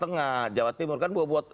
jawa tengah jawa timur kan bobot